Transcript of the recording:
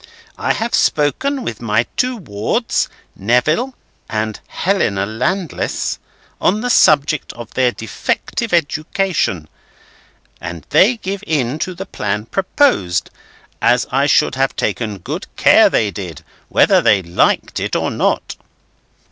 I have spoken with my two wards, Neville and Helena Landless, on the subject of their defective education, and they give in to the plan proposed; as I should have taken good care they did, whether they liked it or not.